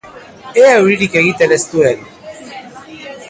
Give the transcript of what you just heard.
Ea euririk egiten ez duen!